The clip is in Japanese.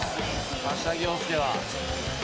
柏木陽介は。